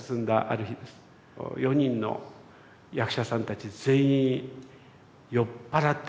４人の役者さんたち全員酔っ払ってました。